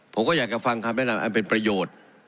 ผมก็อยากจะฟังคำแนะนำอันเป็นประโยชน์